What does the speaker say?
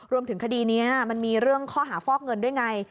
รวมถึงคดีนี้มันมีเรื่องข้อหาฟอกเงินด้วยไง